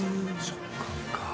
食感か。